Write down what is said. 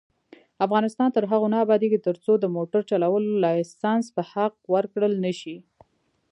افغانستان تر هغو نه ابادیږي، ترڅو د موټر چلولو لایسنس په حق ورکړل نشي.